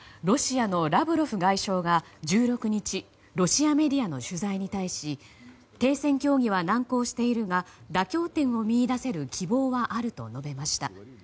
ロシアのラブロフ外相が１６日ロシアメディアの取材に対し停戦協議は難航しているが妥協点を見いだせる希望はあると述べました。